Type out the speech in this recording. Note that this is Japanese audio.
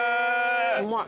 うまい。